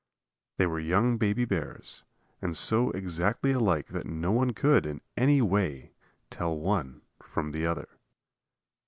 They were young baby bears; and so exactly alike that no one could, in any way, tell the one from the other.